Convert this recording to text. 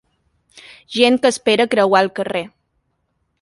gent que espera creuar el carrer